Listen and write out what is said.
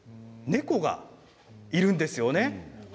猫がいるんですよね。